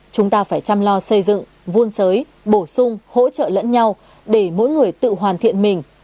chúng ta phải chăm lo xây dựng vun sới bổ sung hỗ trợ lẫn nhau để mỗi người tự hoàn thiện mình